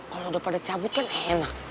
kalau udah pada cabut kan enak